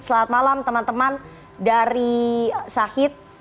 selamat malam teman teman dari sahid